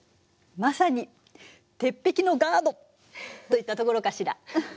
まさに鉄壁のガードといったところかしら。